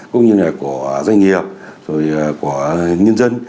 cũng như là của doanh nghiệp rồi của nhân dân